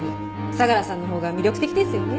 相良さんのほうが魅力的ですよね。